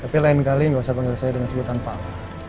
tapi lain kali gak usah panggil saya dengan sebutan pak